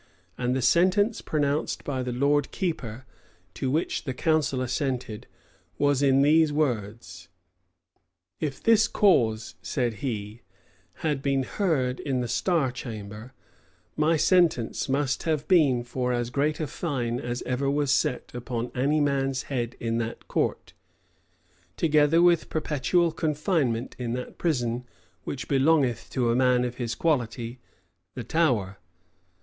And the sentence pronounced by the lord keeper, (to which the council assented,) was in these words: "If this cause," said he, "had been heard in the star chamber, my sentence must have been for as great a fine as ever was set upon any man's head in that court, together with perpetual confinement in that prison which belongeth to a man of his quality, the Tower.